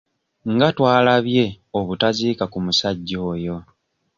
Nga twalabye obutaziika ku musajja oyo.